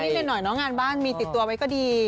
กันหน่อยเนาะงานบ้านมีติดตัวไว้ก็ดี